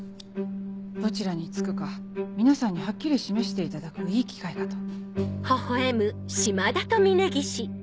どちらにつくか皆さんにはっきり示していただくいい機会かと。